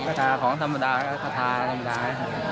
ก็ทาของธรรมดาถ้าทาธรรมดา